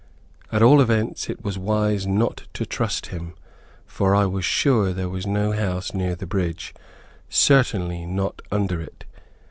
At all events, it was wise not to trust him, for I was sure there was no house near the bridge, certainly not under it.